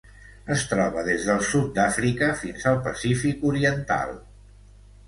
Es troba des del sud d'Àfrica fins al Pacífic oriental.